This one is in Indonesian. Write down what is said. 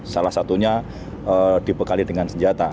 salah satunya dibekali dengan senjata